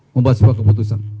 membuat sebuah keputusan